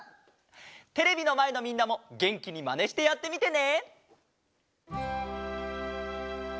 テレビのまえのみんなもげんきにまねしてやってみてね！